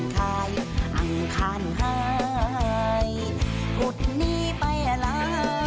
กลายอ่างคานให้พุธนี้ไปเหล้า